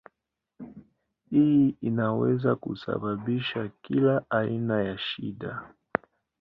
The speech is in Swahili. Hii inaweza kusababisha kila aina ya shida.